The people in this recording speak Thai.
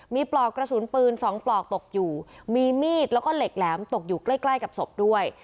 มีปลอกกระสุนปืน๒ปลอกตกอยู่มีมีดแล้วก็เหล็กแหลมตกอยู่ใกล้ใกล้กับศพด้วย